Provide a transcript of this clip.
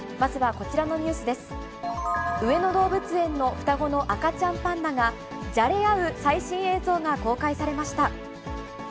上野動物園の双子の赤ちゃんパンダが、じゃれ合う最新映像が公開されました。